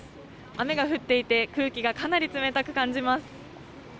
雨が降っていて、空気がかなり冷たく感じます。